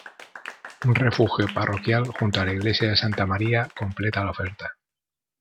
Un refugio parroquial junto a la iglesia de Santa María completa la oferta.